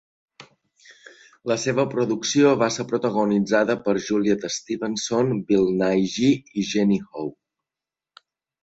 La seva producció va ser protagonitzada per Juliet Stevenson, Bill Nighy i Jenny Howe.